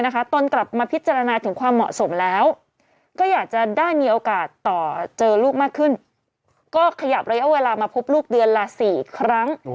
ก็ขยับระยะเวลามาพบลูกเดือนละ๔ครั้ง